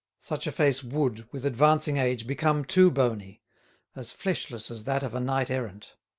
Such a face would, with advancing age, become too bony, as fleshless as that of a knight errant.